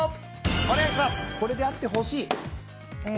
これであってほしい！